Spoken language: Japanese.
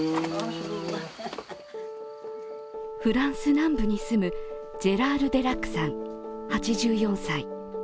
フランス南部に住むジェラール・デラックさん８４歳。